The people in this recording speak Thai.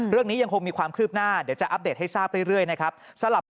ยังคงมีความคืบหน้าเดี๋ยวจะอัปเดตให้ทราบเรื่อยนะครับ